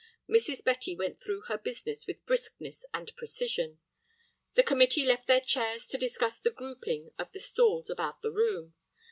Mrs. Betty went through her business with briskness and precision; the committee left their chairs to discuss the grouping of the stalls about the room.